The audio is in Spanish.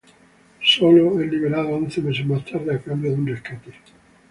Solo es liberado once meses más tarde a cambio de un rescate.